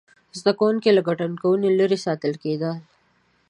زده کوونکي له ګډوډۍ لرې ساتل کېدل.